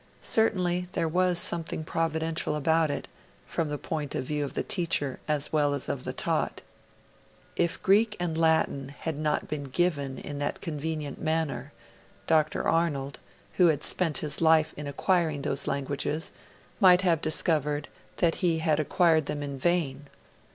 Certainly, there was something providential about it from the point of view of the teacher as well as of the taught. If Greek and Latin had not been 'given' in that convenient manner, Dr. Arnold, who had spent his life in acquiring those languages, might have discovered that he had acquired them in vain.